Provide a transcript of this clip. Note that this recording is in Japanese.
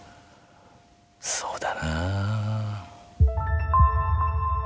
そうだなぁ。